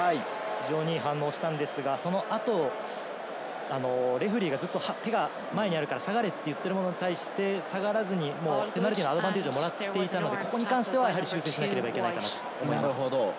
いい反応したのですが、その後、レフェリーがずっと手が前にあるから下がれと言っているのに対して、ペナルティーのアドバンテージをもらっていたので、この辺は修正しなければいけません。